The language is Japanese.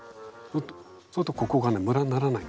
そうするとここがねムラにならないんですよ。